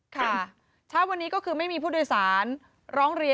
ค่ะเช้าวันนี้ก็คือไม่มีผู้โดยสารร้องเรียน